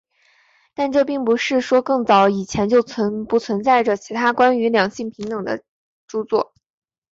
但这并不是说更早以前就不存在着其他关于两性平等的着作。